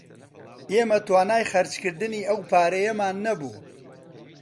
ئێمە توانای خەرچکردنی ئەو پارەیەمان نەبوو